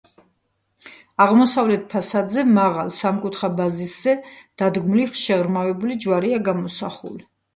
აღმოსავლეთ ფასადზე, მაღალ, სამკუთხა ბაზისზე დადგმული, შეღრმავებული ჯვარია გამოსახული.